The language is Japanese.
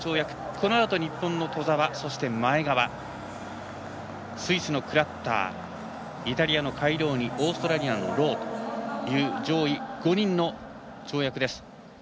このあと日本の兎澤、前川スイスのクラッターイタリアのカイローニオーストラリアのローという上位５人の跳躍です。